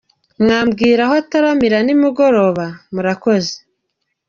Mwa mbwira aho ataramira soir? Merci.